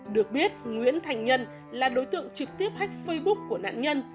được biết nguyễn thành nhân là đối tượng trực tiếp hách facebook của nạn nhân